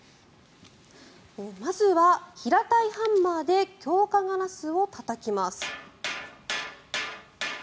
まずは、平たいハンマーで強化ガラスをたたきます。